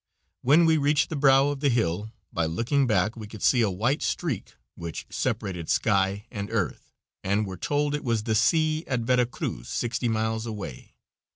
When we reached the brow of the hill, by looking back, we could see a white streak which separated sky and earth, and were told it was the sea at Vera Cruz, sixty miles away.